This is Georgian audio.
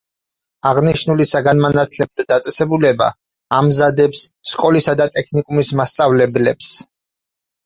აღნიშნული საგანმანათლებლო დაწესებულება ამზადებს სკოლისა და ტექნიკუმის მასწავლებლებს.